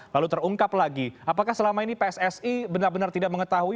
lalu terungkap lagi apakah selama ini pssi benar benar tidak mengetahui